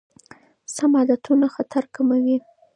سم عادتونه خطر کموي.